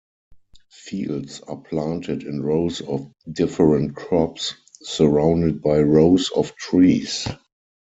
Fields are planted in rows of different crops surrounded by rows of trees.